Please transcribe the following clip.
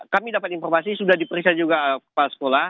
kami dapat informasi sudah diperiksa juga kepala sekolah